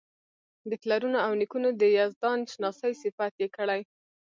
د پلرونو او نیکونو د یزدان شناسۍ صفت یې کړی.